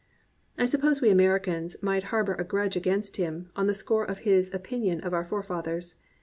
I suppose we Americans might harbour a grudge against him on the score of his opinion of our fore fathers.